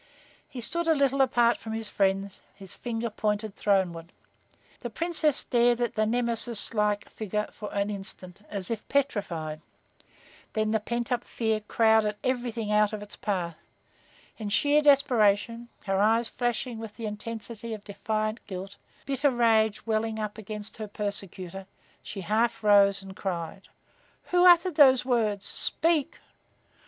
He stood a little apart from his friends, his finger pointed throneward. The Princess stared at the nemesis like figure for an instant, as if petrified. Then the pent up fear crowded everything out of its path. In sheer desperation, her eyes flashing with the intensity of defiant guilt, bitter rage welling up against her persecutor, she half arose and cried: "Who uttered those words? Speak!"